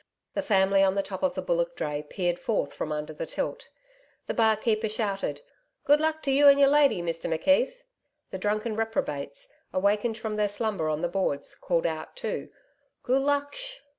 The family on the top of the bullock dray peered forth from under the tilt. The barkeeper shouted, 'Good luck to you and your lady, Mr McKeith.' The drunken reprobates, awakened from their slumber on the boards, called out, too, 'Goo luksh!'